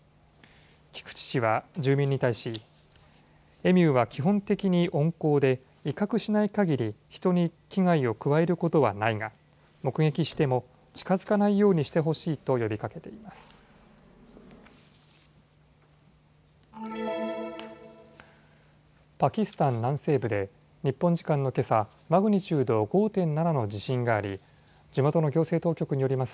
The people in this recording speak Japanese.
菊池市は住民に対しエミューは基本的に温厚で威嚇しないかぎり人に危害を加えることはないが目撃しても近づかないようにしてほしいと呼びかけています。